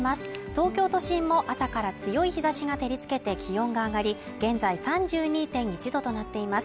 東京都心も朝から強い日差しが照りつけて気温が上がり現在３２．１度となっています